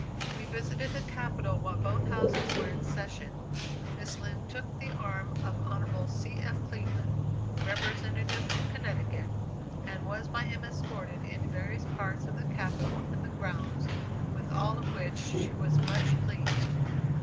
We visited the Capitol while both Houses were in session. Miss Lind took the arm of Hon. C. F. Cleveland, representative from Connecticut, and was by him escorted into various parts of the Capitol and the grounds, with all of which she was much pleased.